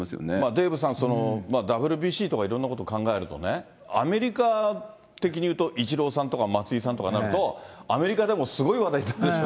デーブさん、ＷＢＣとかいろんなこと考えるとね、アメリカ的に言うと、イチローさんとか松井さんとかなると、アメリカでもすごい話題になるでしょ